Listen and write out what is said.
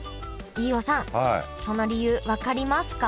飯尾さんその理由分かりますか？